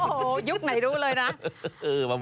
โอ้โหยุคไหนรู้เลยนะ